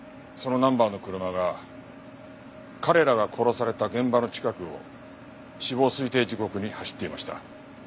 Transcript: そのナンバーの車が彼らが殺された現場の近くを死亡推定時刻に走っていました。